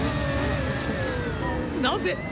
なぜ⁉